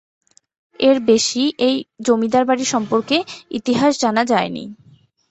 এর বেশি এই জমিদার বাড়ি সম্পর্কে ইতিহাস জানা যায়নি।